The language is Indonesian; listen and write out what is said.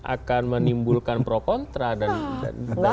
akan menimbulkan pro kontra dan diskursus di dalam